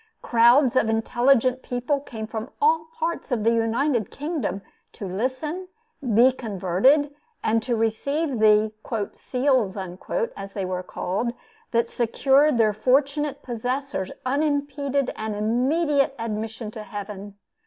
Crowds of intelligent people came from all parts of the United Kingdom to listen, be converted, and to receive the "seals" (as they were called) that secured their fortunate possessor unimpeded and immediate admission to heaven.